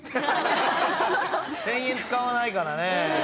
１，０００円使わないからね。